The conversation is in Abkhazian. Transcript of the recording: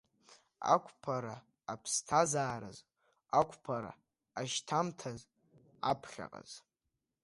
Ақәԥара аԥсҭазаараз, ақәԥара ашьҭамҭаз, аԥхьаҟаз.